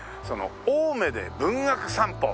青梅で文学散歩。